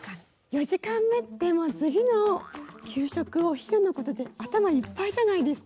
４時間目って次の給食お昼のことで頭いっぱいじゃないですか。